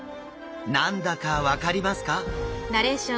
何だか分かりますか？